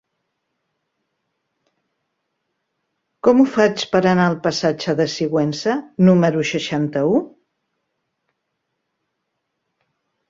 Com ho faig per anar al passatge de Sigüenza número seixanta-u?